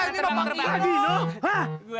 hei ini mah pak gino